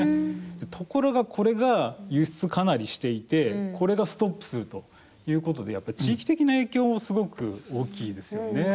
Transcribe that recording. ところが、これが輸出かなりしていてこれがストップするということで地域的な影響もすごく大きいですよね。